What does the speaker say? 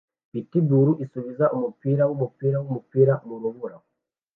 Pitbull isubiza umupira wumupira wumupira mu rubura